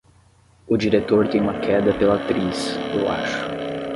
O diretor tem uma queda pela atriz, eu acho.